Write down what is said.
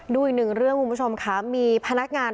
ดูอีกหนึ่งเรื่องคุณผู้ชมค่ะมีพนักงาน